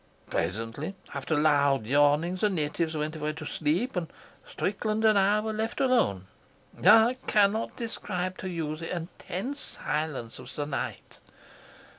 Presently, after loud yawning, the natives went away to sleep, and Strickland and I were left alone. I cannot describe to you the intense silence of the night.